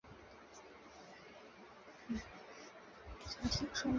弟子至二十五岁离开老师回家过家庭生活。